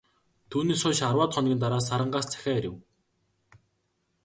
Түүнээс хойш арваад хоногийн дараа, Сарангаас захиа ирэв.